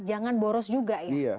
jangan boros juga ya